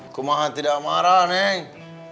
aku mah tidak marah neng